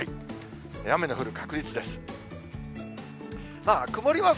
雨の降る確率です。